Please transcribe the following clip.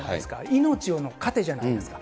命の糧じゃないですか。